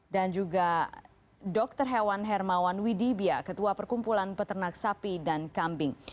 dan juga dr hewan hermawan widibia ketua perkumpulan peternak sapi dan kambing